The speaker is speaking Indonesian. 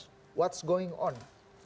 apa yang sedang berlaku